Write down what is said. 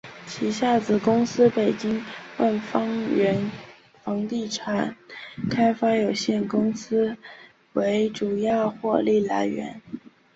旗下子公司北京万方源房地产开发有限公司为主要获利来源。